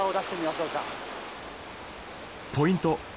ポイント。